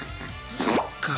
そっか。